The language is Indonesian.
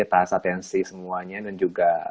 tes atensi semuanya dan juga